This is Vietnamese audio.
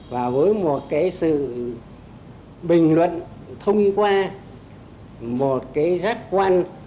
và với một cái sự bình luận thông qua một cái giác quan